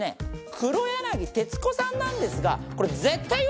黒柳徹子さんなんですが。